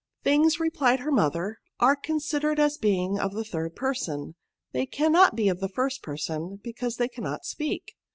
" Things," replied her mother, are con sidered as being of the third person. They cannot be of the first person, because they cannot speak."